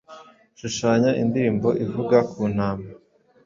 Shushanya indirimbo ivuga ku Ntama: